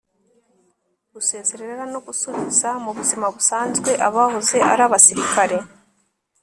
gusezerera no gusubiza mu buzima busanzwe abahoze ari abasirikare